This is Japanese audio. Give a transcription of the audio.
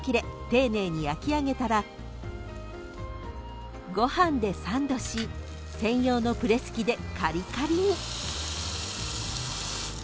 丁寧に焼き上げたらご飯でサンドし専用のプレス機でカリカリに］